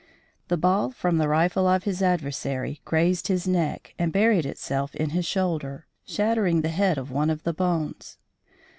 The ball from the rifle of his adversary grazed his neck and buried itself in his shoulder, shattering the head of one of the bones.